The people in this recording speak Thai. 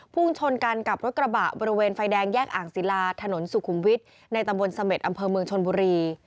พุ่งชนกันกับรถกระบะบริเวณไฟแดงแยกอ่างศิลาถนนสุขุมวิทย์ในตำบลเสม็ดอำเภอเมืองชนบุรี